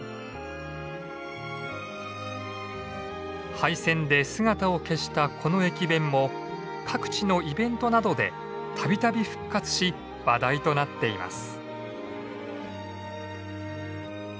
廃線で姿を消したこの駅弁も各地のイベントなどでたびたび復活し話題となっています。